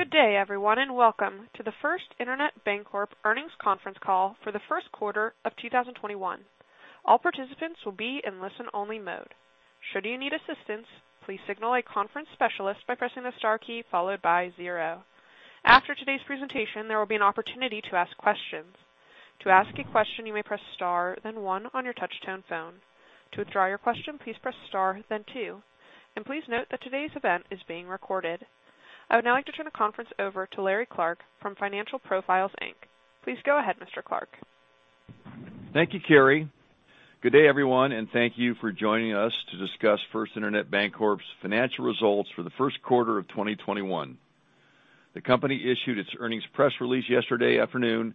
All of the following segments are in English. Good day, everyone, and welcome to the First Internet Bancorp earnings conference call for the first quarter of 2021. All participants will be in an only-listen mode. Should you need assistance please signal the conference specialist by pressing star key followed by zero. After today's presentation there will be an opportunity to ask questions. To ask a question you may press star and then one on your touch tone phone. To withdrawal your question please press star then two. Please note that today's event is being recorded. I would now like to turn the conference over to Larry Clark from Financial Profiles, Inc. Please go ahead, Mr. Clark. Thank you, Carrie. Good day, everyone, and thank you for joining us to discuss First Internet Bancorp's financial results for the first quarter of 2021. The company issued its earnings press release yesterday afternoon,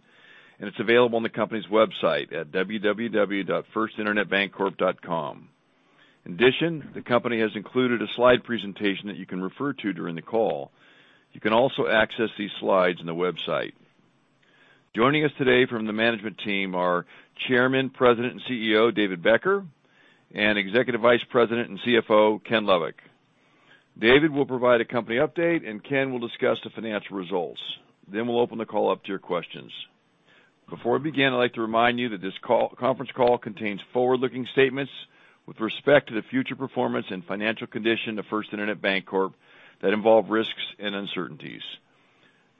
and it's available on the company's website at www.firstinternetbancorp.com. In addition, the company has included a slide presentation that you can refer to during the call. You can also access these slides on the website. Joining us today from the management team are Chairman, President, and CEO, David Becker, and Executive Vice President and CFO, Kenneth Lovik. David will provide a company update, and Ken will discuss the financial results. We'll open the call up to your questions. Before we begin, I'd like to remind you that this conference call contains forward-looking statements with respect to the future performance and financial condition of First Internet Bancorp that involve risks and uncertainties.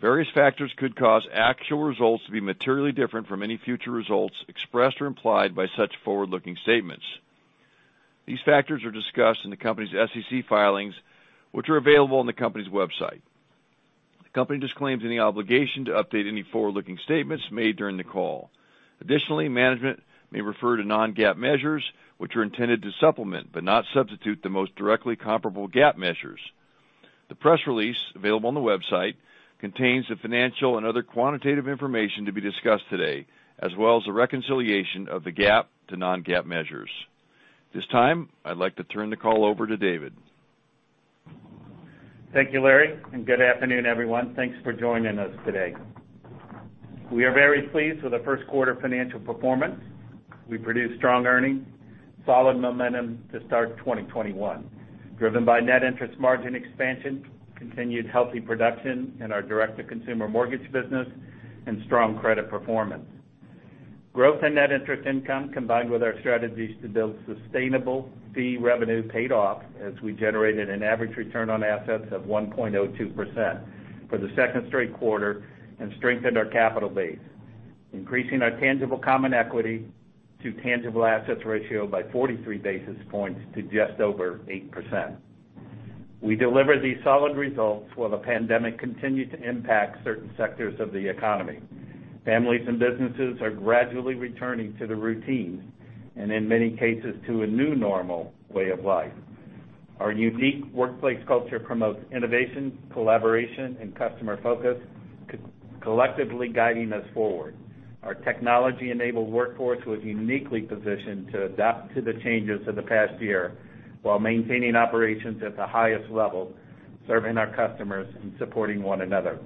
Various factors could cause actual results to be materially different from any future results expressed or implied by such forward-looking statements. These factors are discussed in the company's SEC filings, which are available on the company's website. The company disclaims any obligation to update any forward-looking statements made during the call. Additionally, management may refer to non-GAAP measures, which are intended to supplement, but not substitute, the most directly comparable GAAP measures. The press release available on the website contains the financial and other quantitative information to be discussed today, as well as a reconciliation of the GAAP to non-GAAP measures. At this time, I'd like to turn the call over to David. Thank you, Larry, and good afternoon, everyone. Thanks for joining us today. We are very pleased with the first quarter financial performance. We produced strong earnings, solid momentum to start 2021, driven by net interest margin expansion, continued healthy production in our direct-to-consumer mortgage business, and strong credit performance. Growth in net interest income, combined with our strategies to build sustainable fee revenue, paid off as we generated an average return on assets of 1.02% for the second straight quarter and strengthened our capital base, increasing our tangible common equity to tangible assets ratio by 43 basis points to just over 8%. We delivered these solid results while the pandemic continued to impact certain sectors of the economy. Families and businesses are gradually returning to their routines, and in many cases, to a new normal way of life. Our unique workplace culture promotes innovation, collaboration, and customer focus, collectively guiding us forward. Our technology-enabled workforce was uniquely positioned to adapt to the changes of the past year while maintaining operations at the highest level, serving our customers and supporting one another.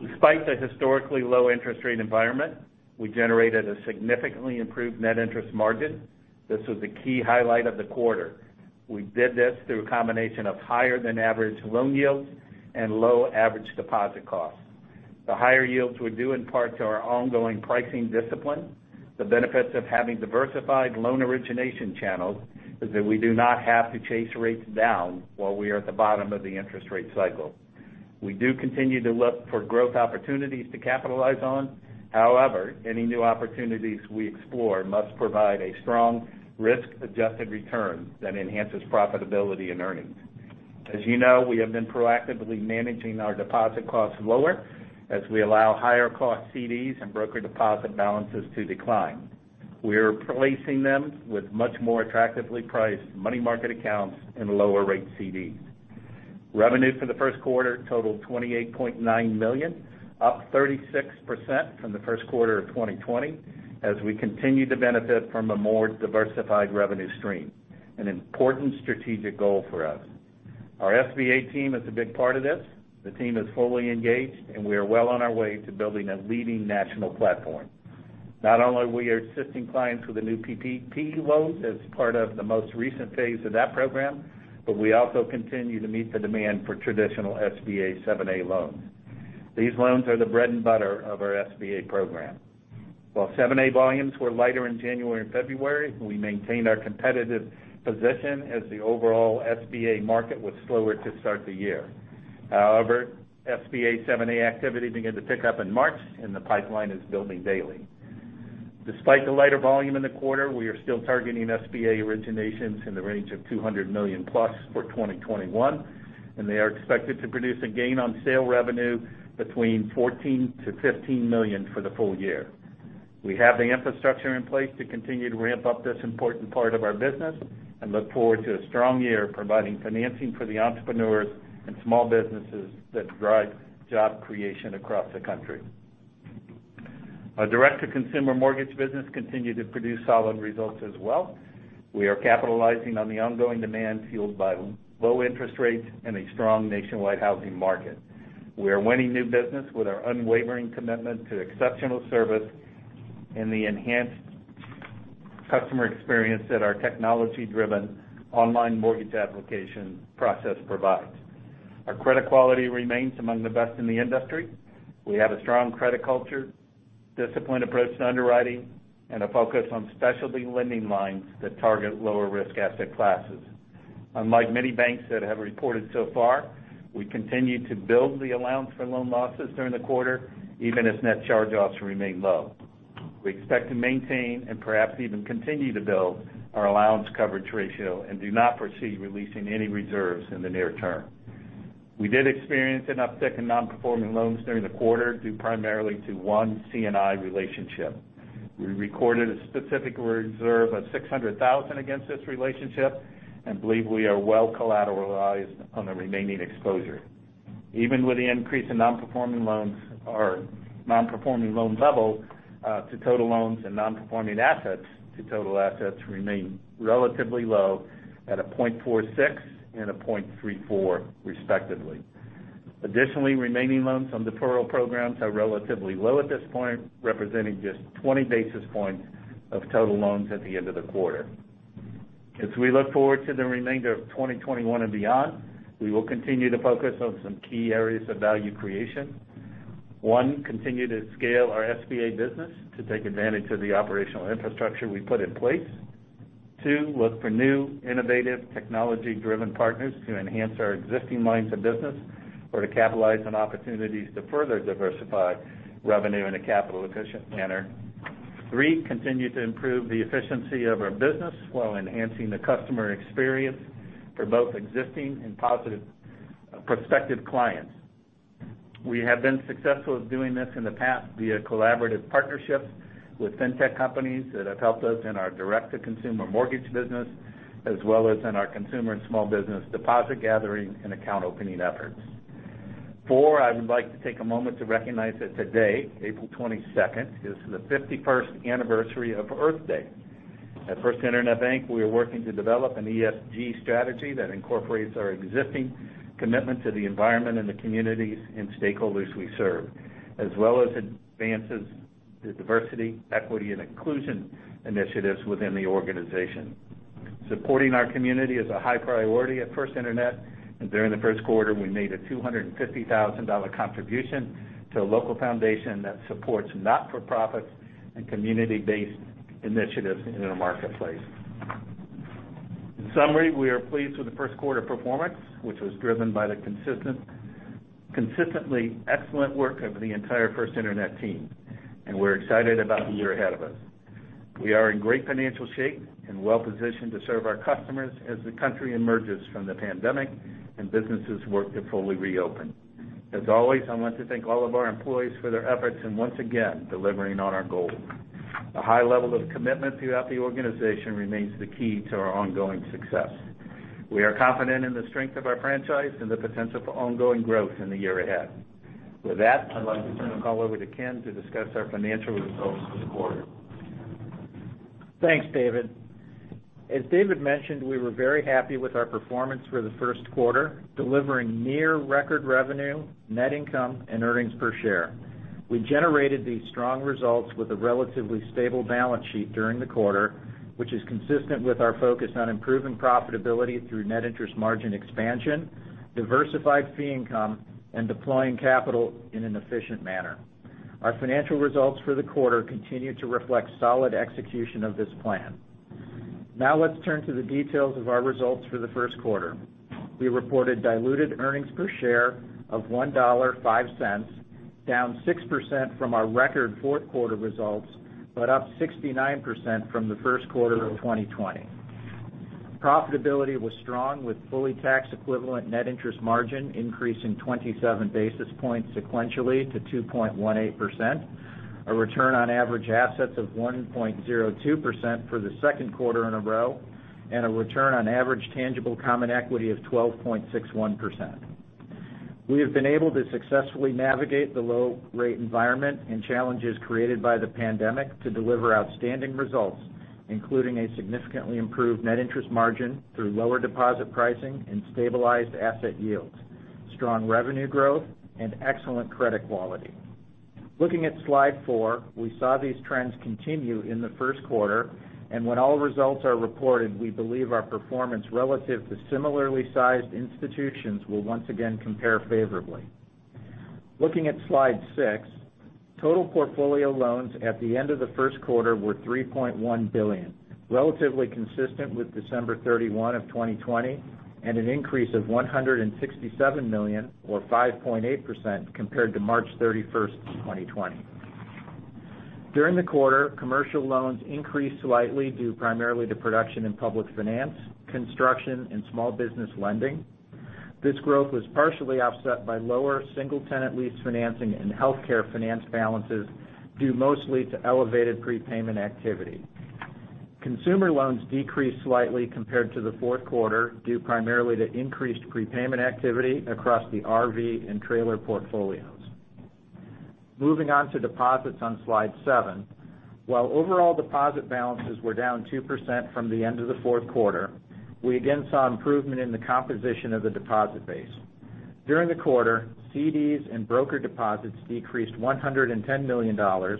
Despite the historically low interest rate environment, we generated a significantly improved net interest margin. This was a key highlight of the quarter. We did this through a combination of higher than average loan yields and low average deposit costs. The higher yields were due in part to our ongoing pricing discipline. The benefits of having diversified loan origination channels is that we do not have to chase rates down while we are at the bottom of the interest rate cycle. We do continue to look for growth opportunities to capitalize on. However, any new opportunities we explore must provide a strong risk-adjusted return that enhances profitability and earnings. As you know, we have been proactively managing our deposit costs lower as we allow higher cost CDs and brokered deposit balances to decline. We are replacing them with much more attractively priced money market accounts and lower rate CDs. Revenue for the first quarter totaled $28.9 million, up 36% from the first quarter of 2020, as we continue to benefit from a more diversified revenue stream, an important strategic goal for us. Our SBA team is a big part of this. The team is fully engaged, and we are well on our way to building a leading national platform. Not only are we assisting clients with the new PPP loans as part of the most recent phase of that program, but we also continue to meet the demand for traditional SBA 7(a) loans. These loans are the bread and butter of our SBA program. While 7(a) volumes were lighter in January and February, we maintained our competitive position as the overall SBA market was slower to start the year. However, SBA 7(a) activity began to pick up in March, and the pipeline is building daily. Despite the lighter volume in the quarter, we are still targeting SBA originations in the range of $200 million+ for 2021, and they are expected to produce a gain on sale revenue between $14 million-$15 million for the full year. We have the infrastructure in place to continue to ramp up this important part of our business and look forward to a strong year providing financing for the entrepreneurs and small businesses that drive job creation across the country. Our direct-to-consumer mortgage business continued to produce solid results as well. We are capitalizing on the ongoing demand fueled by low interest rates and a strong nationwide housing market. We are winning new business with our unwavering commitment to exceptional service and the enhanced customer experience that our technology-driven online mortgage application process provides. Our credit quality remains among the best in the industry. We have a strong credit culture, disciplined approach to underwriting, and a focus on specialty lending lines that target lower risk asset classes. Unlike many banks that have reported so far, we continue to build the allowance for loan losses during the quarter, even as net charge-offs remain low. We expect to maintain and perhaps even continue to build our allowance coverage ratio and do not foresee releasing any reserves in the near term. We did experience an uptick in non-performing loans during the quarter, due primarily to one C&I relationship. We recorded a specific reserve of $600,000 against this relationship and believe we are well collateralized on the remaining exposure. Even with the increase in non-performing loans level to total loans and non-performing assets to total assets remain relatively low at a 0.46% and a 0.34% respectively. Additionally, remaining loans on deferral programs are relatively low at this point, representing just 20 basis points of total loans at the end of the quarter. As we look forward to the remainder of 2021 and beyond, we will continue to focus on some key areas of value creation: One, continue to scale our SBA business to take advantage of the operational infrastructure we put in place. Two, look for new innovative technology-driven partners to enhance our existing lines of business or to capitalize on opportunities to further diversify revenue in a capital efficient manner. Three, continue to improve the efficiency of our business while enhancing the customer experience for both existing and prospective clients. We have been successful at doing this in the past via collaborative partnerships with fintech companies that have helped us in our direct-to-consumer mortgage business, as well as in our consumer and small business deposit gathering and account opening efforts. Four, I would like to take a moment to recognize that today, April 22nd, is the 51st Anniversary of Earth Day. At First Internet Bank, we are working to develop an ESG strategy that incorporates our existing commitment to the environment and the communities and stakeholders we serve, as well as advances the diversity, equity, and inclusion initiatives within the organization. Supporting our community is a high priority at First Internet, and during the first quarter, we made a $250,000 contribution to a local foundation that supports not-for-profits and community-based initiatives in our marketplace. In summary, we are pleased with the first quarter performance, which was driven by the consistently excellent work of the entire First Internet team. We're excited about the year ahead of us. We are in great financial shape and well-positioned to serve our customers as the country emerges from the pandemic and businesses work to fully reopen. As always, I want to thank all of our employees for their efforts and once again, delivering on our goals. The high level of commitment throughout the organization remains the key to our ongoing success. We are confident in the strength of our franchise and the potential for ongoing growth in the year ahead. With that, I'd like to turn the call over to Ken to discuss our financial results for the quarter. Thanks, David. As David mentioned, we were very happy with our performance for the first quarter, delivering near record revenue, net income, and earnings per share. We generated these strong results with a relatively stable balance sheet during the quarter, which is consistent with our focus on improving profitability through net interest margin expansion, diversified fee income, and deploying capital in an efficient manner. Our financial results for the quarter continue to reflect solid execution of this plan. Now let's turn to the details of our results for the first quarter. We reported diluted earnings per share of $1.5, down 6% from our record fourth quarter results, but up 69% from the first quarter of 2020. Profitability was strong with fully tax equivalent net interest margin increasing 27 basis points sequentially to 2.18%, a return on average assets of 1.02% for the second quarter in a row, and a return on average tangible common equity of 12.61%. We have been able to successfully navigate the low rate environment and challenges created by the pandemic to deliver outstanding results, including a significantly improved net interest margin through lower deposit pricing and stabilized asset yields, strong revenue growth, and excellent credit quality. Looking at slide four, we saw these trends continue in the first quarter, and when all results are reported, we believe our performance relative to similarly sized institutions will once again compare favorably. Looking at slide six, total portfolio loans at the end of the first quarter were $3.1 billion, relatively consistent with December 31, 2020, and an increase of $167 million or 5.8% compared to March 31, 2020. During the quarter, commercial loans increased slightly due primarily to production in public finance, construction, and small business lending. This growth was partially offset by lower single tenant lease financing and healthcare finance balances due mostly to elevated prepayment activity. Consumer loans decreased slightly compared to the fourth quarter, due primarily to increased prepayment activity across the RV and trailer portfolios. Moving on to deposits on slide seven. While overall deposit balances were down 2% from the end of the fourth quarter, we again saw improvement in the composition of the deposit base. During the quarter, CDs and brokered deposits decreased $110 million, or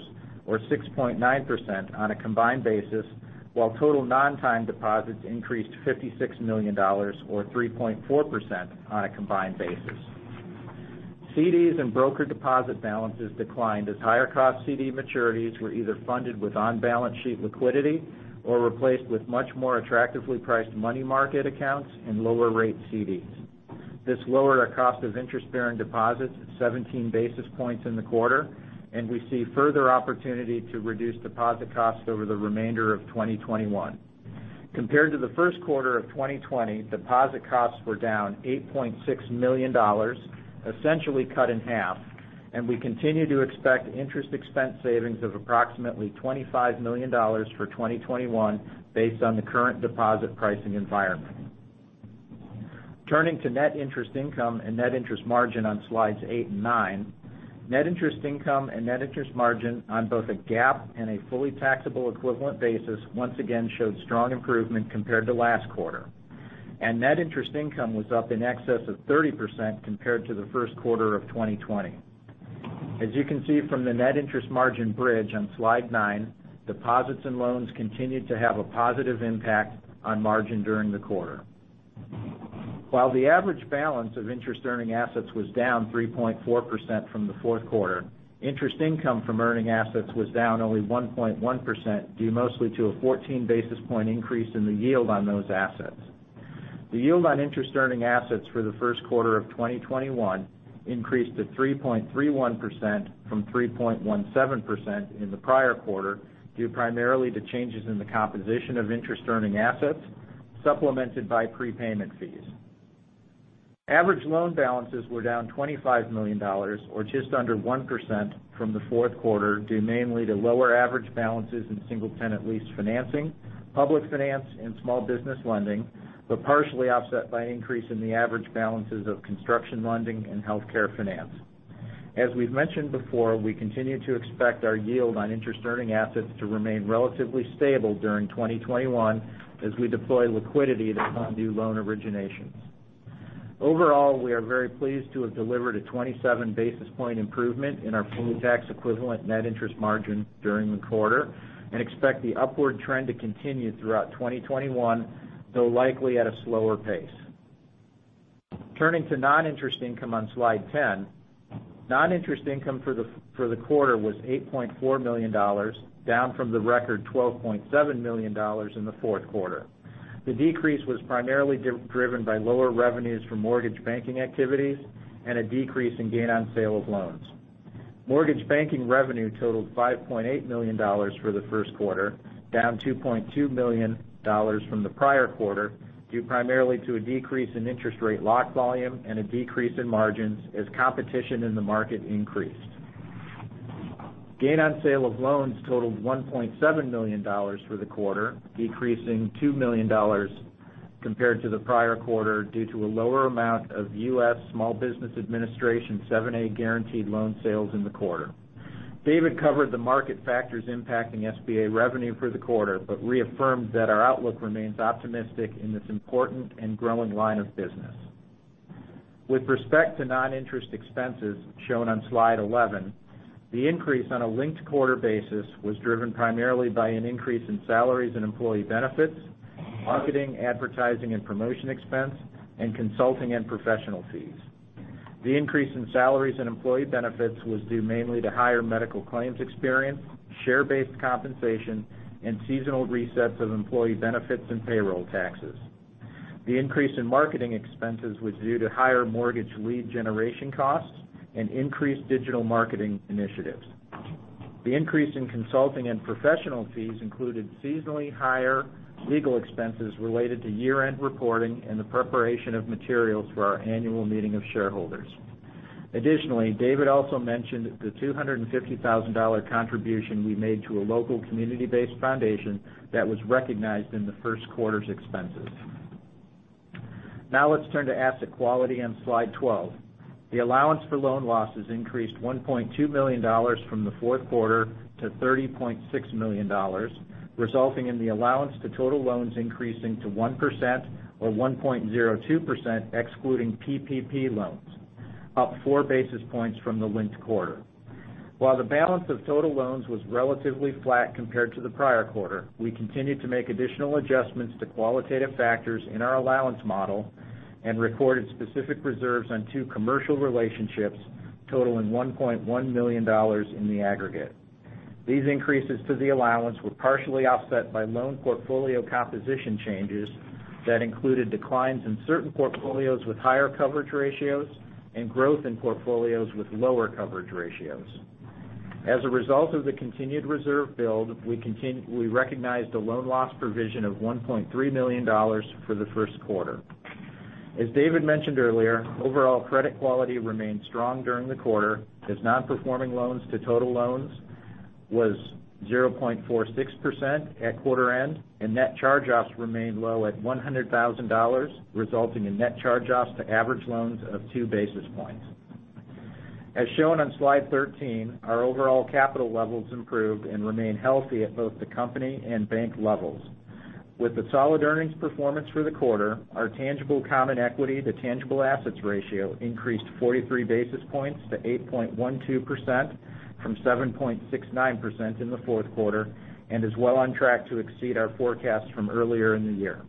6.9%, on a combined basis, while total non-time deposits increased $56 million, or 3.4%, on a combined basis. CDs and brokered deposit balances declined as higher cost CD maturities were either funded with on-balance sheet liquidity or replaced with much more attractively priced money market accounts and lower rate CDs. This lowered our cost of interest-bearing deposits 17 basis points in the quarter, and we see further opportunity to reduce deposit costs over the remainder of 2021. Compared to the first quarter of 2020, deposit costs were down $8.6 million, essentially cut in half, and we continue to expect interest expense savings of approximately $25 million for 2021 based on the current deposit pricing environment. Turning to net interest income and net interest margin on slides eight and nine, net interest income and net interest margin on both a GAAP and a fully taxable equivalent basis once again showed strong improvement compared to last quarter. Net interest income was up in excess of 30% compared to the first quarter of 2020. As you can see from the net interest margin bridge on slide nine, deposits and loans continued to have a positive impact on margin during the quarter. While the average balance of interest-earning assets was down 3.4% from the fourth quarter, interest income from earning assets was down only 1.1%, due mostly to a 14-basis-point increase in the yield on those assets. The yield on interest-earning assets for Q1 2021 increased to 3.31% from 3.17% in the prior quarter, due primarily to changes in the composition of interest-earning assets, supplemented by prepayment fees. Average loan balances were down $25 million, or just under 1%, from the fourth quarter, due mainly to lower average balances in single-tenant lease financing, public finance, and small business lending, but partially offset by an increase in the average balances of construction lending and healthcare finance. As we've mentioned before, we continue to expect our yield on interest-earning assets to remain relatively stable during 2021 as we deploy liquidity to fund new loan originations. Overall, we are very pleased to have delivered a 27-basis-point improvement in our full-tax-equivalent net interest margin during the quarter and expect the upward trend to continue throughout 2021, though likely at a slower pace. Turning to non-interest income on slide 10, non-interest income for the quarter was $8.4 million, down from the record $12.7 million in the fourth quarter. The decrease was primarily driven by lower revenues from mortgage banking activities and a decrease in gain on sale of loans. Mortgage banking revenue totaled $5.8 million for the first quarter, down $2.2 million from the prior quarter, due primarily to a decrease in interest rate lock volume and a decrease in margins as competition in the market increased. Gain on sale of loans totaled $1.7 million for the quarter, decreasing $2 million compared to the prior quarter, due to a lower amount of U.S. Small Business Administration 7(a) guaranteed loan sales in the quarter. David covered the market factors impacting SBA revenue for the quarter but reaffirmed that our outlook remains optimistic in this important and growing line of business. With respect to non-interest expenses shown on slide 11, the increase on a linked-quarter basis was driven primarily by an increase in salaries and employee benefits; marketing, advertising, and promotion expense; and consulting and professional fees. The increase in salaries and employee benefits was due mainly to higher medical claims experience, share-based compensation, and seasonal resets of employee benefits and payroll taxes. The increase in marketing expenses was due to higher mortgage lead generation costs and increased digital marketing initiatives. The increase in consulting and professional fees included seasonally higher legal expenses related to year-end reporting and the preparation of materials for our annual meeting of shareholders. Additionally, David also mentioned the $250,000 contribution we made to a local community-based foundation that was recognized in the first quarter's expenses. Now let's turn to asset quality on slide 12. The allowance for loan losses increased $1.2 million from the fourth quarter to $30.6 million, resulting in the allowance to total loans increasing to 1%, or 1.02% excluding PPP loans, up four basis points from the linked quarter. While the balance of total loans was relatively flat compared to the prior quarter, we continued to make additional adjustments to qualitative factors in our allowance model and recorded specific reserves on two commercial relationships totaling $1.1 million in the aggregate. These increases to the allowance were partially offset by loan portfolio composition changes that included declines in certain portfolios with higher coverage ratios and growth in portfolios with lower coverage ratios. As a result of the continued reserve build, we recognized a loan loss provision of $1.3 million for the first quarter. As David mentioned earlier, overall credit quality remained strong during the quarter, as non-performing loans to total loans was 0.46% at quarter end, and net charge-offs remained low at $100,000, resulting in net charge-offs to average loans of two basis points. As shown on slide 13, our overall capital levels improved and remain healthy at both the company and bank levels. With the solid earnings performance for the quarter, our tangible common equity to tangible assets ratio increased 43 basis points to 8.12%, from 7.69% in the fourth quarter, and is well on track to exceed our forecast from earlier in the year.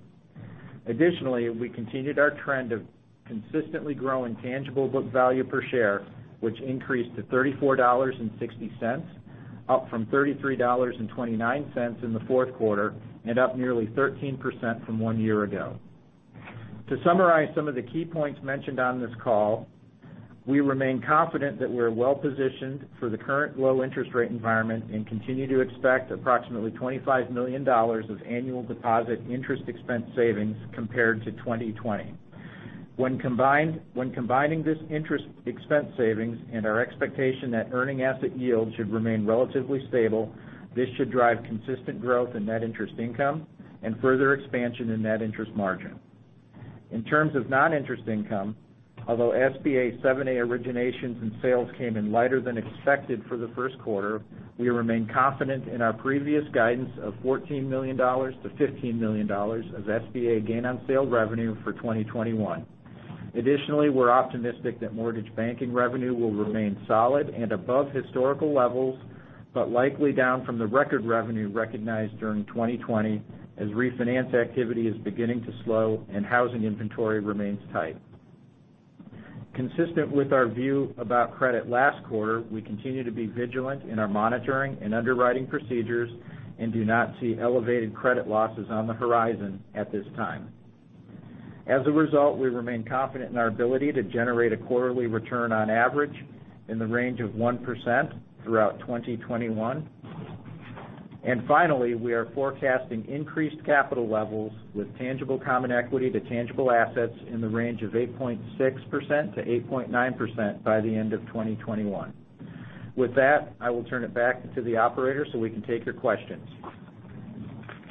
Additionally, we continued our trend of consistently growing tangible book value per share, which increased to $34.60, up from $33.29 in the fourth quarter, and up nearly 13% from one year ago. To summarize some of the key points mentioned on this call, we remain confident that we're well-positioned for the current low interest rate environment, and continue to expect approximately $25 million of annual deposit interest expense savings compared to 2020. When combining this interest expense savings and our expectation that earning asset yield should remain relatively stable, this should drive consistent growth in net interest income and further expansion in net interest margin. In terms of non-interest income, although SBA 7(a) originations and sales came in lighter than expected for the first quarter, we remain confident in our previous guidance of $14 million-$15 million of SBA gain on sale revenue for 2021. Additionally, we're optimistic that mortgage banking revenue will remain solid and above historical levels, but likely down from the record revenue recognized during 2020, as refinance activity is beginning to slow and housing inventory remains tight. Consistent with our view about credit last quarter, we continue to be vigilant in our monitoring and underwriting procedures and do not see elevated credit losses on the horizon at this time. As a result, we remain confident in our ability to generate a quarterly return on average in the range of 1% throughout 2021. Finally, we are forecasting increased capital levels with tangible common equity to tangible assets in the range of 8.6%-8.9% by the end of 2021. With that, I will turn it back to the operator so we can take your questions.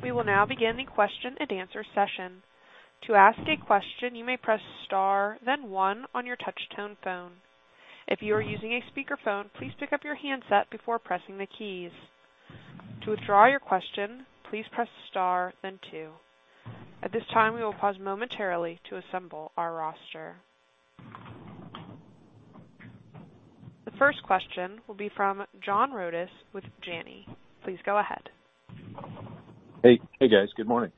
We will now begin the question-and-answer session. To ask a question, you may press star, then one on your touch tone phone. If you are using a speakerphone, please pick up your handset before pressing the keys. To withdraw your question, please press star, then two. At this time, we will pause momentarily to assemble our roster. The first question will be from John Rodis with Janney. Please go ahead. Hey. Hey, guys. Good morning.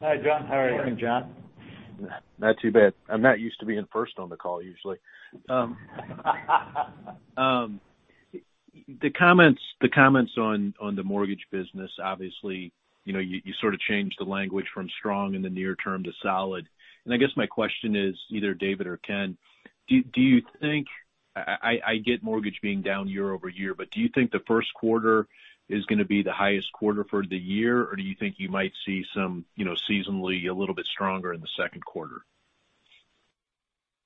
Hi, John. How are you? Morning, John. Not too bad. I'm not used to being first on the call usually. The comments on the mortgage business, obviously, you sort of changed the language from strong in the near term to solid, and I guess my question is either David or Ken, I get mortgage being down year-over-year, but do you think the first quarter is going to be the highest quarter for the year, or do you think you might see some seasonally a little bit stronger in the second quarter?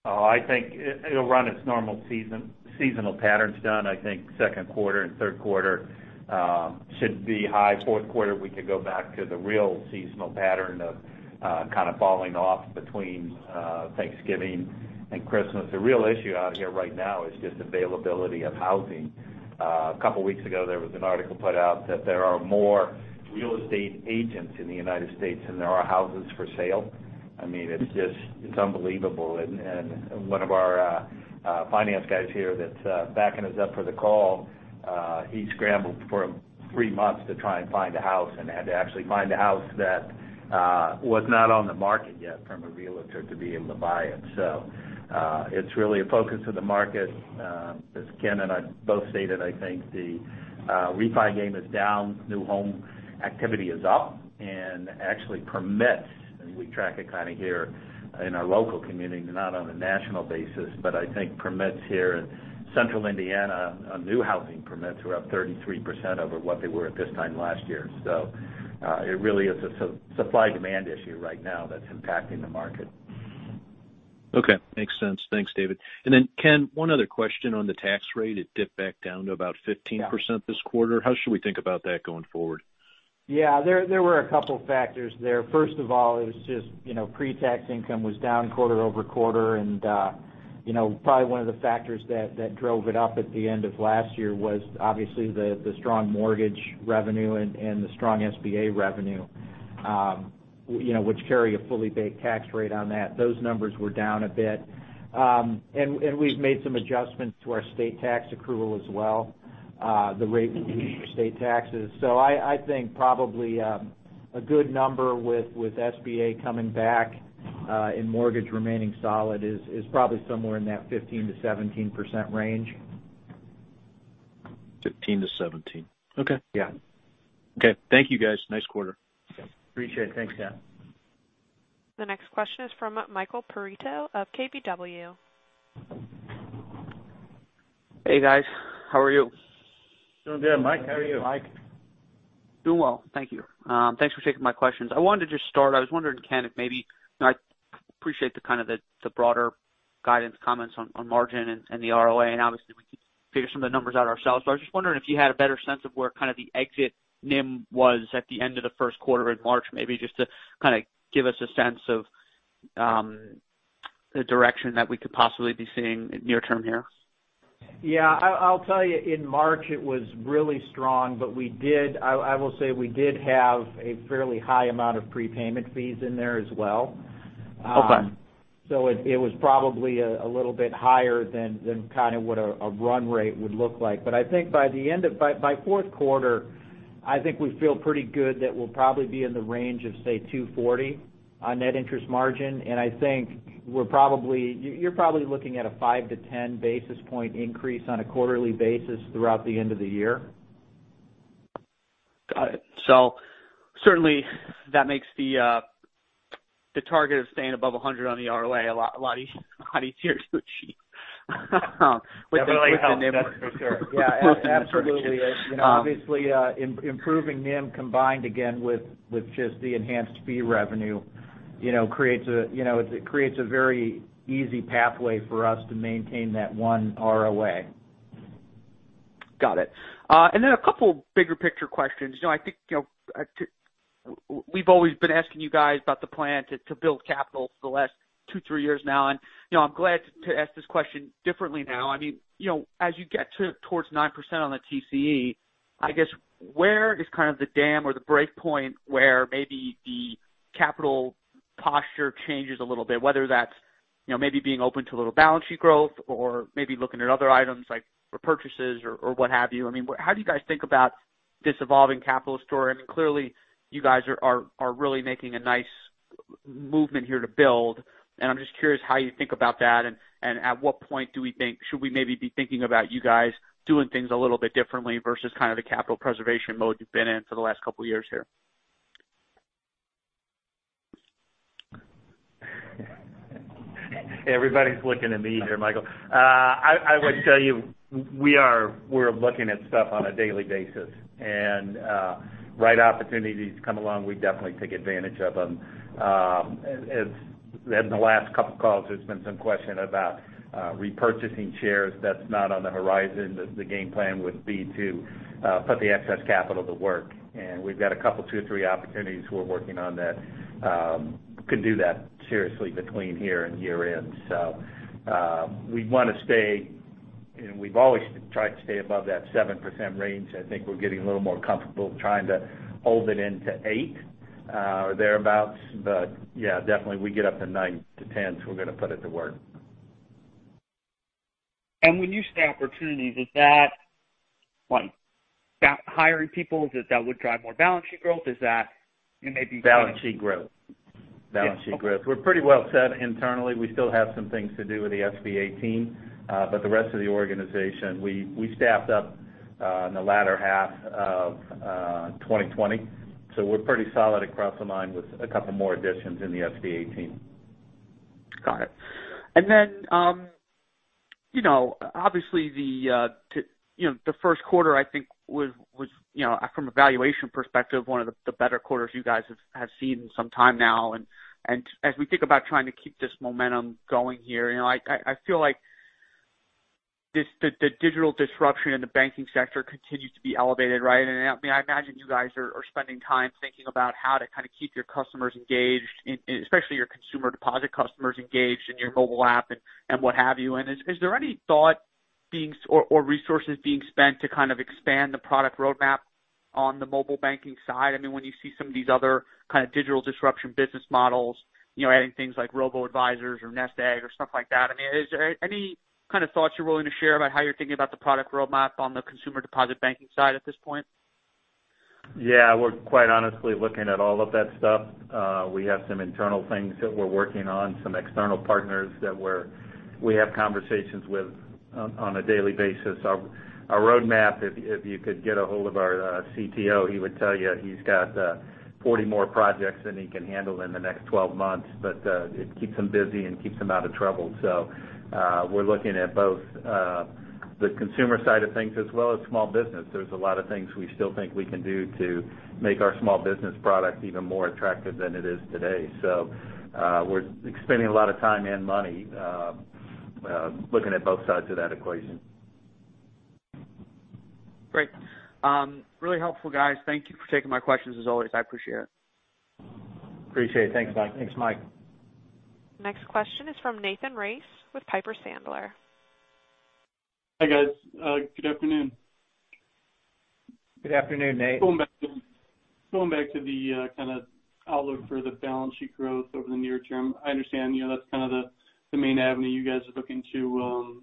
I think it'll run its normal seasonal patterns, John. I think second quarter and third quarter should be high. Fourth quarter, we could go back to the real seasonal pattern of kind of falling off between Thanksgiving and Christmas. The real issue out here right now is just availability of housing. A couple of weeks ago, there was an article put out that there are more real estate agents in the United States than there are houses for sale. It's unbelievable. One of our finance guys here that's backing us up for the call, he scrambled for three months to try and find a house and had to actually find a house that was not on the market yet from a realtor to be able to buy it. It's really a focus of the market. As Ken and I both stated, I think the refi game is down, new home activity is up, and actually permits, and we track it kind of here in our local community, not on a national basis, but I think permits here in central Indiana on new housing permits were up 33% over what they were at this time last year. It really is a supply-demand issue right now that's impacting the market. Okay. Makes sense. Thanks, David. Then Ken, one other question on the tax rate. It dipped back down to about 15% this quarter. How should we think about that going forward? Yeah, there were a couple factors there. First of all, it was just pre-tax income was down quarter-over-quarter, and probably one of the factors that drove it up at the end of last year was obviously the strong mortgage revenue and the strong SBA revenue, which carry a fully baked tax rate on that. Those numbers were down a bit. We've made some adjustments to our state tax accrual as well, the rate we use for state taxes. I think probably a good number with SBA coming back and mortgage remaining solid is probably somewhere in that 15%-17% range. 15% to 17%. Okay. Yeah. Okay. Thank you, guys. Nice quarter. Appreciate it. Thanks, John. The next question is from Michael Perito of KBW. Hey, guys. How are you? Doing good, Mike. How are you? Hey, Mike. Doing well. Thank you. Thanks for taking my questions. I wanted to just start, I was wondering, Ken, if maybe I appreciate the kind of the broader guidance comments on margin and the ROA and obviously figure some of the numbers out ourselves. I was just wondering if you had a better sense of where the exit NIM was at the end of the first quarter in March, maybe just to give us a sense of the direction that we could possibly be seeing near-term here. Yeah. I'll tell you, in March, it was really strong. I will say, we did have a fairly high amount of prepayment fees in there as well. Okay. It was probably a little bit higher than what a run rate would look like. I think by fourth quarter, I think we feel pretty good that we'll probably be in the range of, say, 240 on net interest margin. I think you're probably looking at a five to 10 basis point increase on a quarterly basis throughout the end of the year. Got it. Certainly that makes the target of staying above 100 on the ROA a lot easier to achieve. With the NIM. That really helps, that's for sure. Yeah, absolutely. Obviously, improving NIM, combined again with just the enhanced fee revenue, it creates a very easy pathway for us to maintain that one ROA. Got it. Then a couple bigger picture questions. I think we've always been asking you guys about the plan to build capital for the last two, three years now. I'm glad to ask this question differently now. As you get to towards 9% on the TCE, I guess where is the dam or the break point where maybe the capital posture changes a little bit? Whether that's maybe being open to a little balance sheet growth or maybe looking at other items like repurchases or what have you. How do you guys think about this evolving capital story? Clearly, you guys are really making a nice movement here to build, and I'm just curious how you think about that, and at what point should we maybe be thinking about you guys doing things a little bit differently versus the capital preservation mode you've been in for the last couple of years here? Everybody's looking at me here, Michael. I would tell you, we're looking at stuff on a daily basis. Right opportunities come along, we definitely take advantage of them. In the last couple of calls, there's been some question about repurchasing shares. That's not on the horizon. The game plan would be to put the excess capital to work, and we've got a couple, two or three opportunities we're working on that could do that seriously between here and year-end. We want to stay, and we've always tried to stay above that 7% range. I think we're getting a little more comfortable trying to hold it into 8% or thereabout. Yeah, definitely if we get up to 9% to 10%, we're going to put it to work. When you say opportunities, is that hiring people, that would drive more balance sheet growth? Balance sheet growth. Yeah. Okay. We're pretty well set internally. We still have some things to do with the SBA team. The rest of the organization, we staffed up in the latter half of 2020. We're pretty solid across the line with a couple more additions in the SBA team. Got it. Obviously, the first quarter I think was, from a valuation perspective, one of the better quarters you guys have seen in some time now. As we think about trying to keep this momentum going here, I feel like the digital disruption in the banking sector continues to be elevated, right? I imagine you guys are spending time thinking about how to kind of keep your customers engaged, especially your consumer deposit customers engaged in your mobile app and what have you. Is there any thought or resources being spent to kind of expand the product roadmap on the mobile banking side, when you see some of these other kind of digital disruption business models, adding things like Robo-Advisors or Nest Egg or stuff like that? Is there any kind of thoughts you're willing to share about how you're thinking about the product roadmap on the consumer deposit banking side at this point? Yeah. We're quite honestly looking at all of that stuff. We have some internal things that we're working on, some external partners that we have conversations with on a daily basis. Our roadmap, if you could get ahold of our CTO, he would tell you he's got 40 more projects than he can handle in the next 12 months. It keeps him busy and keeps him out of trouble. We're looking at both the consumer side of things as well as small business. There's a lot of things we still think we can do to make our small business product even more attractive than it is today. We're spending a lot of time and money looking at both sides of that equation. Great. Really helpful, guys. Thank you for taking my questions, as always. I appreciate it. Appreciate it. Thanks, Mike. Next question is from Nathan Race with Piper Sandler. Hi, guys. Good afternoon. Good afternoon, Nate. Going back to the kind of outlook for the balance sheet growth over the near term. I understand that's kind of the main avenue you guys are looking to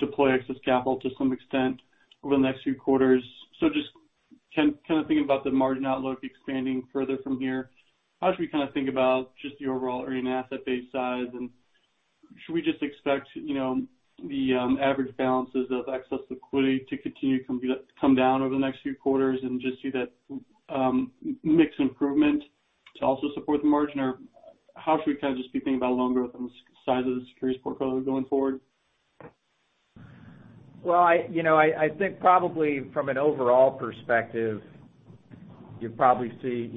deploy excess capital to some extent over the next few quarters. Just kind of thinking about the margin outlook expanding further from here, how should we kind of think about just the overall earning asset base size, and should we just expect the average balances of excess liquidity to continue to come down over the next few quarters and just see that mix improvement to also support the margin? How should we kind of just be thinking about loan growth on the size of the securities portfolio going forward? Well, I think probably from an overall perspective. You'll probably see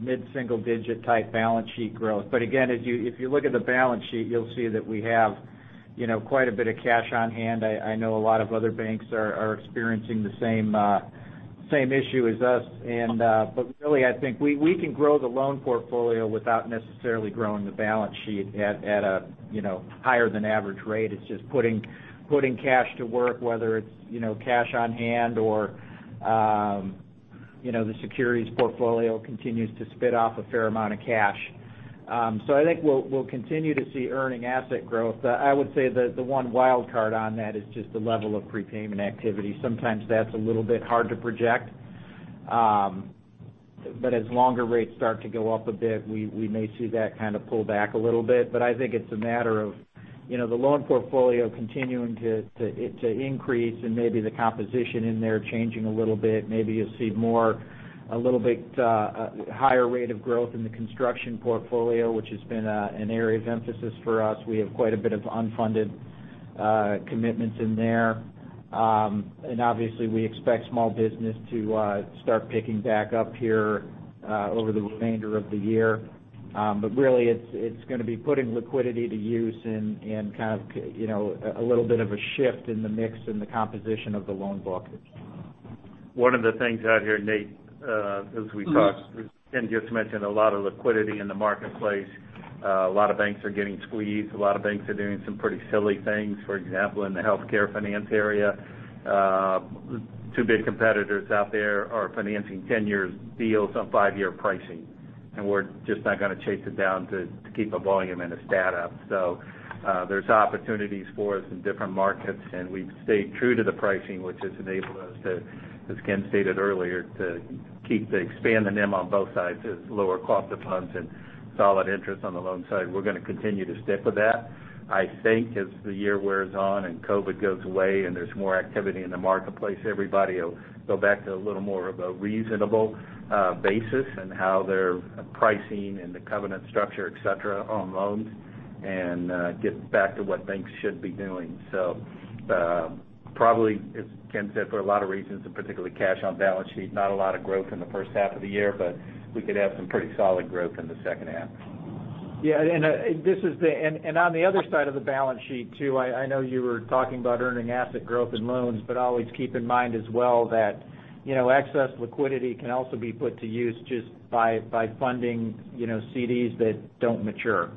mid-single digit type balance sheet growth. Again, if you look at the balance sheet, you'll see that we have quite a bit of cash on hand. I know a lot of other banks are experiencing the same issue as us. Really, I think we can grow the loan portfolio without necessarily growing the balance sheet at a higher than average rate. It's just putting cash to work, whether it's cash on hand or the securities portfolio continues to spit off a fair amount of cash. I think we'll continue to see earning asset growth. I would say the one wild card on that is just the level of prepayment activity. Sometimes that's a little bit hard to project. As longer rates start to go up a bit, we may see that kind of pull back a little bit. I think it's a matter of the loan portfolio continuing to increase and maybe the composition in there changing a little bit. Maybe you'll see a little bit higher rate of growth in the construction portfolio, which has been an area of emphasis for us. We have quite a bit of unfunded commitments in there. Obviously, we expect small business to start picking back up here over the remainder of the year. Really, it's going to be putting liquidity to use and kind of a little bit of a shift in the mix and the composition of the loan book. One of the things out here, Nate, as we talk, and Ken just mentioned a lot of liquidity in the marketplace. A lot of banks are getting squeezed. A lot of banks are doing some pretty silly things. For example, in the healthcare finance area, two big competitors out there are financing 10-year deals on five-year pricing, and we're just not going to chase it down to keep a volume and a stat up. There's opportunities for us in different markets, and we stay true to the pricing, which has enabled us to, as Ken stated earlier, to keep expanding them on both sides as lower cost of funds and solid interest on the loan side. We're going to continue to stick with that. I think as the year wears on and COVID goes away and there's more activity in the marketplace, everybody will go back to a little more of a reasonable basis in how they're pricing and the covenant structure, et cetera, on loans and get back to what banks should be doing. Probably, as Ken said, for a lot of reasons, and particularly cash on balance sheet, not a lot of growth in the first half of the year, but we could have some pretty solid growth in the second half. Yeah. On the other side of the balance sheet, too, I know you were talking about earning asset growth and loans, but always keep in mind as well that excess liquidity can also be put to use just by funding CDs that don't mature.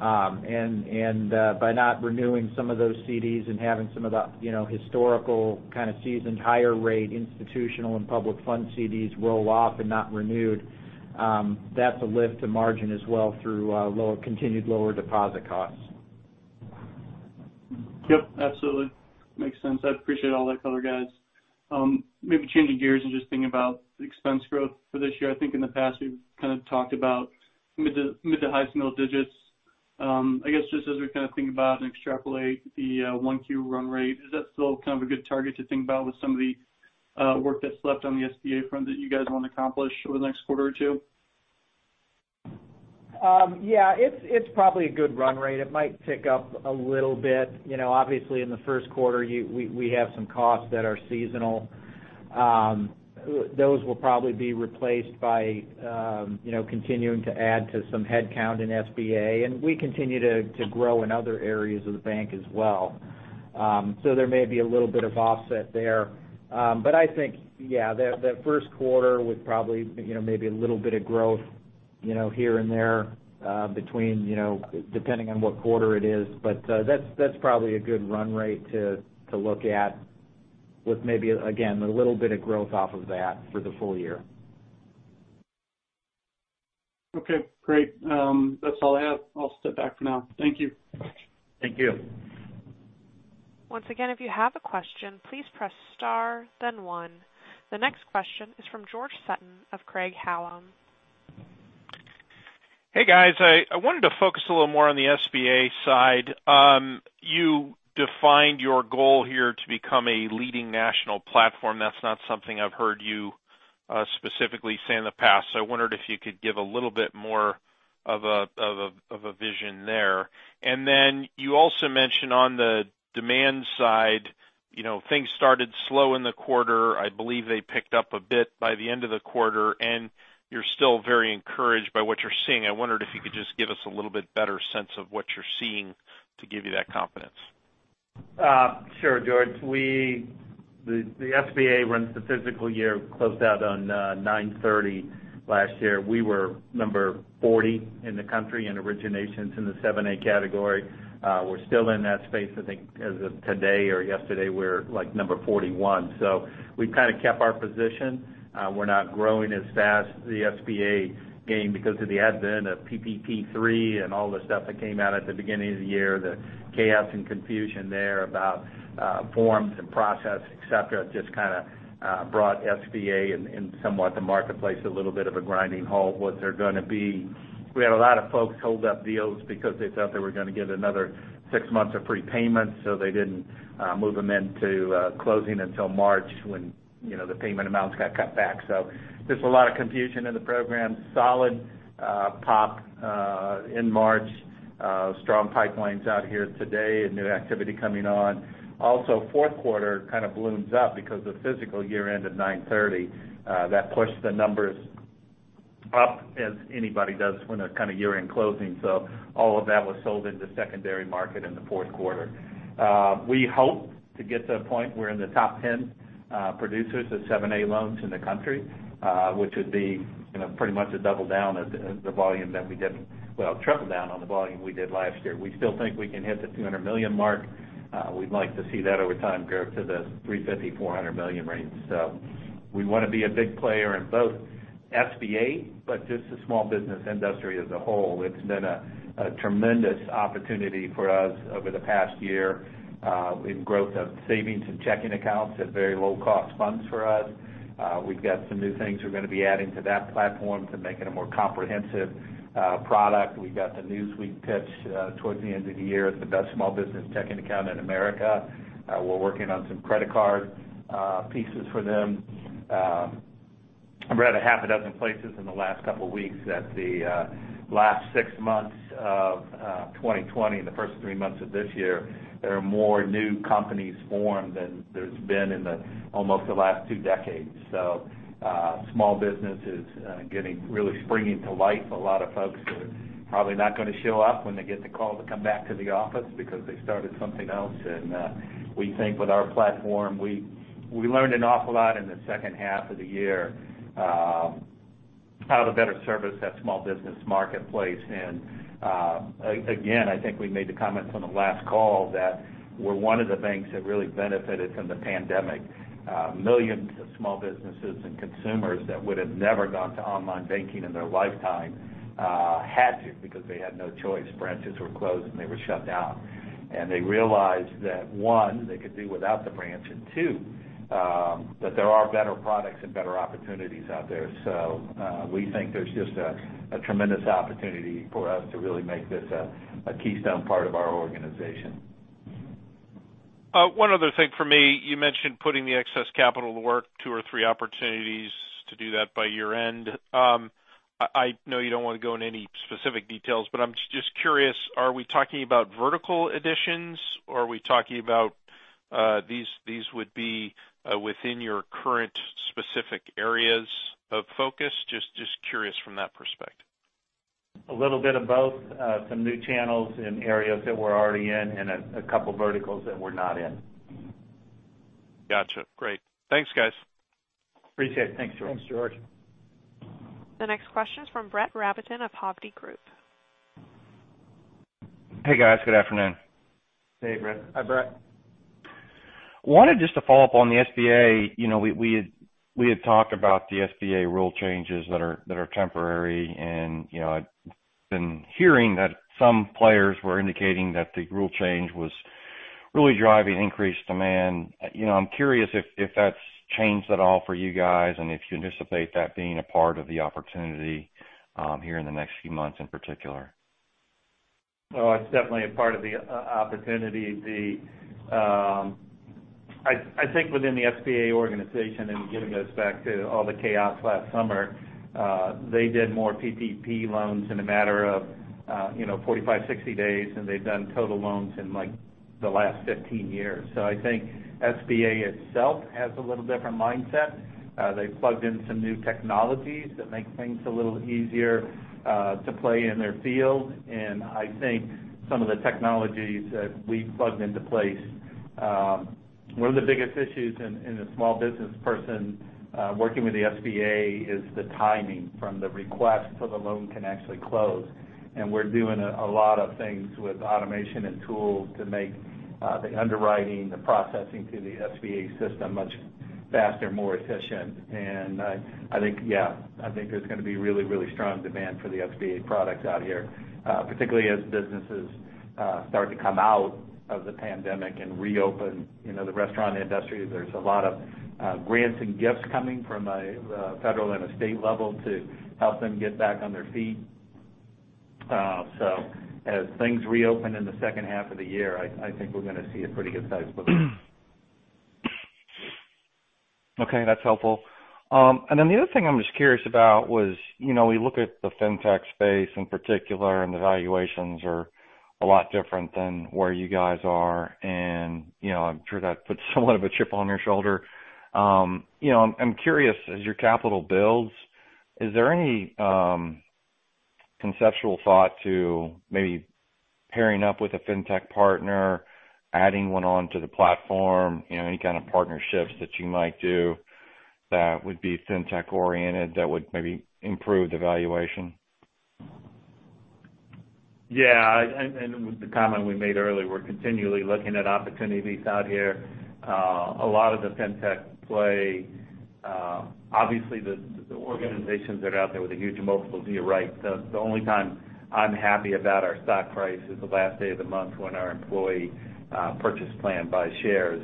By not renewing some of those CDs and having some of that historical kind of seasoned higher rate institutional and public fund CDs roll off and not renewed, that's a lift to margin as well through continued lower deposit costs. Yep, absolutely. Makes sense. I appreciate all that color, guys. Maybe changing gears and just thinking about the expense growth for this year. I think in the past, we've kind of talked about mid to high single digits. I guess just as we kind of think about and extrapolate the 1Q run rate, is that still kind of a good target to think about with some of the work that's left on the SBA front that you guys want to accomplish over the next quarter or two? Yeah. It's probably a good run rate. It might tick up a little bit. Obviously, in the first quarter, we have some costs that are seasonal. Those will probably be replaced by continuing to add to some headcount in SBA. We continue to grow in other areas of the bank as well. There may be a little bit of offset there. I think, yeah, that first quarter with probably maybe a little bit of growth here and there between depending on what quarter it is. That's probably a good run rate to look at with maybe, again, a little bit of growth off of that for the full year. Okay, great. That's all I have. I'll step back for now. Thank you. Thank you. Once again, if you have a question, please press star then one. The next question is from George Sutton of Craig-Hallum. Hey, guys. I wanted to focus a little more on the SBA side. You defined your goal here to become a leading national platform. That's not something I've heard you specifically say in the past. I wondered if you could give a little bit more of a vision there. You also mentioned on the demand side, things started slow in the quarter. I believe they picked up a bit by the end of the quarter, and you're still very encouraged by what you're seeing. I wondered if you could just give us a little bit better sense of what you're seeing to give you that confidence. Sure, George. The SBA runs the fiscal year, closed out on 9/30 last year. We were number 40 in the country in originations in the SBA 7(a) category. We're still in that space. I think as of today or yesterday, we're number 41. We've kind of kept our position. We're not growing as fast as the SBA game because of the advent of PPP3 and all the stuff that came out at the beginning of the year, the chaos and confusion there about forms and process, et cetera, just kind of brought SBA and somewhat the marketplace a little bit of a grinding halt. We had a lot of folks hold up deals because they thought they were going to get another six months of prepayment, so they didn't move them into closing until March when the payment amounts got cut back. Just a lot of confusion in the program. Solid pop in March. Strong pipelines out here today and new activity coming on. Fourth quarter kind of blooms up because the fiscal year-end of 9/30, that pushed the numbers up as anybody does when they're kind of year-end closing. All of that was sold in the secondary market in the fourth quarter. We hope to get to a point we're in the top 10 producers SBA 7(a) loans in the country, which would be pretty much a double down of the volume that we did, triple down on the volume we did last year. We still think we can hit the $200 million mark. We'd like to see that over time grow to the $350 million-$400 million range. We want to be a big player in both SBA, but just the small business industry as a whole. It's been a tremendous opportunity for us over the past year, in growth of savings and checking accounts at very low-cost funds for us. We've got some new things we're going to be adding to that platform to make it a more comprehensive product. We got the Newsweek pick towards the end of the year as the best small business checking account in America. We're working on some credit card pieces for them. I read a half a dozen places in the last couple of weeks that the last six months of 2020 and the first three months of this year, there are more new companies formed than there's been in almost the last two decades. Small business is really springing to life. A lot of folks are probably not going to show up when they get the call to come back to the office because they started something else. We think with our platform, we learned an awful lot in the second half of the year how to better service that small business marketplace. Again, I think we made the comments on the last call that we're one of the banks that really benefited from the pandemic. Millions of small businesses and consumers that would have never gone to online banking in their lifetime had to because they had no choice. Branches were closed, and they were shut down. They realized that, one, they could do without the branch, and two, that there are better products and better opportunities out there. We think there's just a tremendous opportunity for us to really make this a keystone part of our organization. One other thing from me. You mentioned putting the excess capital to work, two or three opportunities to do that by year-end. I know you don't want to go into any specific details, but I'm just curious, are we talking about vertical additions, or are we talking about these would be within your current specific areas of focus? Just curious from that perspective. A little bit of both. Some new channels in areas that we're already in and a couple verticals that we're not in. Got you. Great. Thanks, guys. Appreciate it. Thanks, George. Thanks, George. The next question is from Brett Rabatin of Hovde Group. Hey, guys. Good afternoon. Hey, Brett. Hi, Brett. Wanted just to follow up on the SBA. We had talked about the SBA rule changes that are temporary, and I'd been hearing that some players were indicating that the rule change was really driving increased demand. I'm curious if that's changed at all for you guys and if you anticipate that being a part of the opportunity here in the next few months in particular. It's definitely a part of the opportunity. I think within the SBA organization and getting us back to all the chaos last summer, they did more PPP loans in a matter of 45, 60 days than they've done total loans in the last 15 years. I think SBA itself has a little different mindset. They've plugged in some new technologies that make things a little easier to play in their field. I think some of the technologies that we've plugged into place. One of the biggest issues in a small business person working with the SBA is the timing from the request till the loan can actually close. We're doing a lot of things with automation and tools to make the underwriting, the processing through the SBA system much faster and more efficient. I think, yeah, I think there's going to be really strong demand for the SBA products out here, particularly as businesses start to come out of the pandemic and reopen. The restaurant industry, there's a lot of grants and gifts coming from a federal and a state level to help them get back on their feet. As things reopen in the second half of the year, I think we're going to see a pretty good size book. Okay, that's helpful. The other thing I'm just curious about was, we look at the fintech space in particular, and the valuations are a lot different than where you guys are. I'm sure that puts somewhat of a chip on your shoulder. I'm curious, as your capital builds, is there any conceptual thought to maybe pairing up with a fintech partner, adding one onto the platform, any kind of partnerships that you might do that would be fintech oriented that would maybe improve the valuation? Yeah. The comment we made earlier, we're continually looking at opportunities out here. A lot of the fintech play, obviously the organizations that are out there with the huge multiples, you're right. The only time I'm happy about our stock price is the last day of the month when our employee purchase plan buys shares.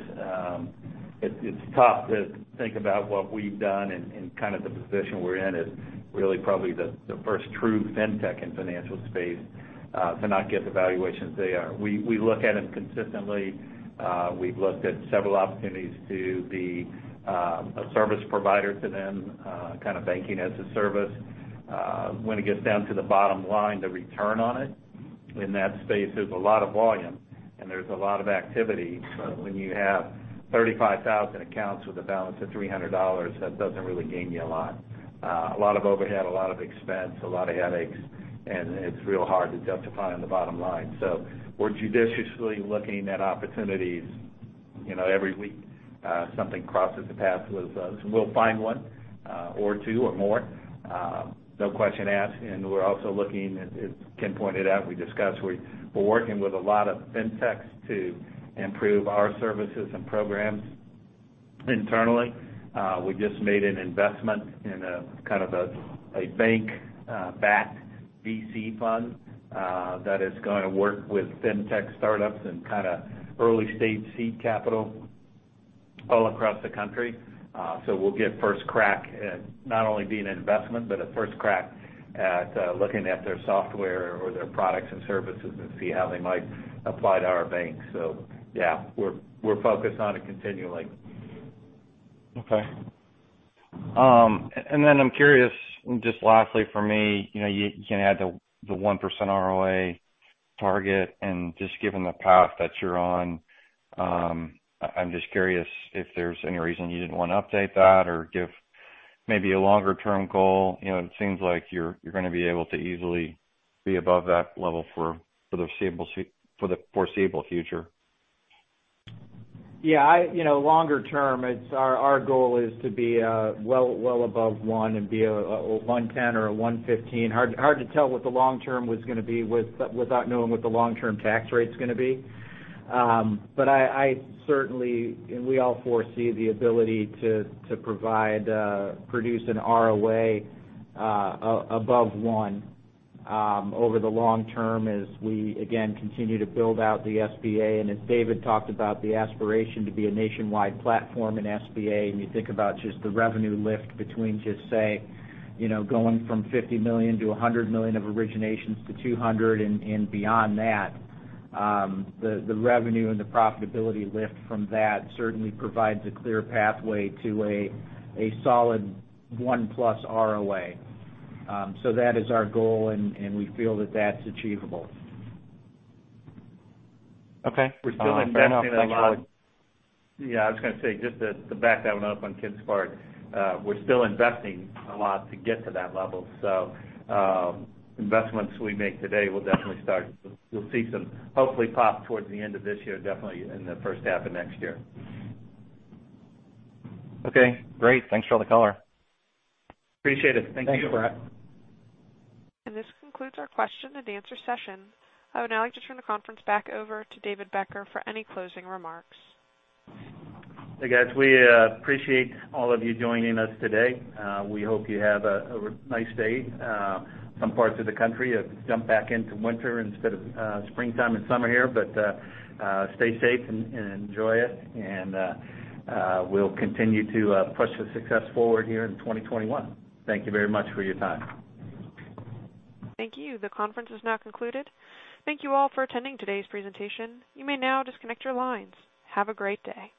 It's tough to think about what we've done and kind of the position we're in as really probably the first true fintech in financial space to not get the valuations they are. We look at them consistently. We've looked at several opportunities to be a service provider to them, kind of Banking as a Service. When it gets down to the bottom line, the return on it. In that space, there's a lot of volume and there's a lot of activity. When you have 35,000 accounts with a balance of $300, that doesn't really gain you a lot. A lot of overhead, a lot of expense, a lot of headaches, and it's real hard to justify on the bottom line. We're judiciously looking at opportunities. Every week, something crosses the path with us. We'll find one or two or more, no question asked. We're also looking at, as Ken pointed out, we discussed, we're working with a lot of fintechs to improve our services and programs internally. We just made an investment in a kind of a bank-backed VC fund that is going to work with fintech startups and kind of early-stage seed capital all across the country. We'll get first crack at not only being an investment, but a first crack at looking at their software or their products and services and see how they might apply to our bank. Yeah, we're focused on it continually. Okay. I'm curious, just lastly from me, you had the 1% ROA target and just given the path that you're on, I'm just curious if there's any reason you didn't want to update that or give maybe a longer-term goal. It seems like you're going to be able to easily be above that level for the foreseeable future. Yeah. Longer term, our goal is to be well above one and be a 110 or a 115. Hard to tell what the long term was going to be without knowing what the long-term tax rate's going to be. I certainly, and we all foresee the ability to produce an ROA above 1% over the long term as we, again, continue to build out the SBA. As David talked about the aspiration to be a nationwide platform in SBA, and you think about just the revenue lift between just, say, going from $50 million-$100 million of originations to $200 million and beyond that. The revenue and the profitability lift from that certainly provides a clear pathway to a solid 1%+ ROA. That is our goal, and we feel that that's achievable. Okay. Fair enough. Thanks a lot. Yeah, I was going to say, just to back that one up on Ken's part, we're still investing a lot to get to that level. Investments we make today will definitely see some hopefully pop towards the end of this year, definitely in the first half of next year. Okay, great. Thanks for all the color. Appreciate it. Thank you. Thanks, Brett. This concludes our question-and-answer session. I would now like to turn the conference back over to David Becker for any closing remarks. Hey, guys. We appreciate all of you joining us today. We hope you have a nice day. Some parts of the country have jumped back into winter instead of springtime and summer here. Stay safe and enjoy it. We'll continue to push the success forward here in 2021. Thank you very much for your time. Thank you. The conference is now concluded. Thank you all for attending today's presentation. You may now disconnect your lines. Have a great day.